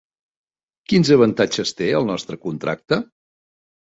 Quins avantatges té el nostre contracte?